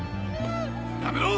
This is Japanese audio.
やめろ！